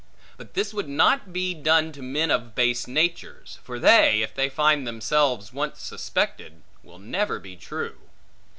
But this would not be done to men of base natures; for they, if they find themselves once suspected, will never be true.